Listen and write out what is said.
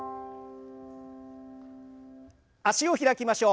脚を開きましょう。